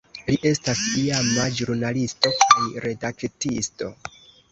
Li estas iama ĵurnalisto kaj redaktisto.